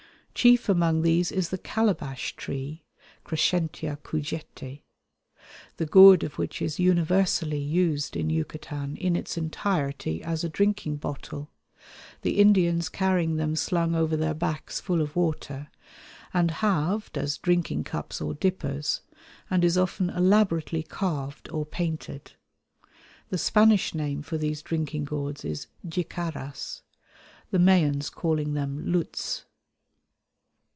Chief among these is the calabash tree (Crescentia cujete), the gourd of which is universally used in Yucatan in its entirety as a drinking bottle the Indians carrying them slung over their backs full of water and halved as drinking cups or dippers, and is often elaborately carved or painted. The Spanish name for these drinking gourds is jicaras, the Mayans calling them luts.